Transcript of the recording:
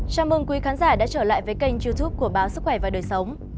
chào mừng quý khán giả đã trở lại với kênh youtube của báo sức khỏe và đời sống